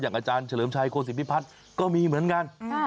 อย่างอาจารย์เฉลิมชัยโครสินพิพัทธ์ก็มีเหมือนกัน